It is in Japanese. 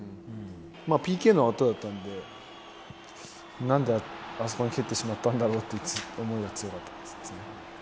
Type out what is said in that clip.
ＰＫのあとだったんでなんであそこに蹴ってしまったんだろうという思いが強かったですね。